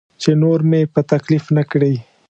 چې نور مې په تکلیف نه کړي.